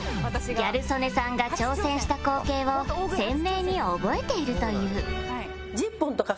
ギャル曽根さんが挑戦した光景を鮮明に覚えているという